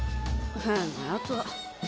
変なやつ。